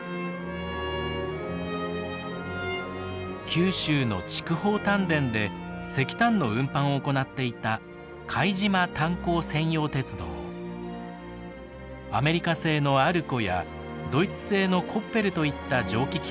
九州の筑豊炭田で石炭の運搬を行っていたアメリカ製のアルコやドイツ製のコッペルといった蒸気機関車が走っていました。